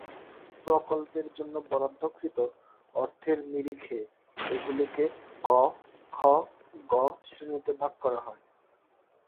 প্রকল্পের জন্য বরাদ্দকৃত অর্থের নিরিখে এগুলিকে ক, খ, গ শ্রেণিতে ভাগ করা হয়।